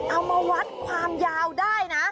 เอามาวัดความยาวได้นะ